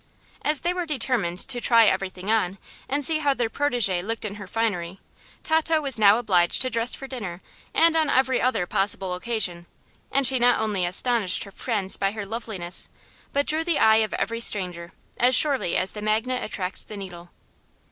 As they were determined to "try everything on" and see how their protégé looked in her finery, Tato was now obliged to dress for dinner and on every other possible occasion, and she not only astonished her friends by her loveliness but drew the eye of every stranger as surely as the magnet attracts the needle.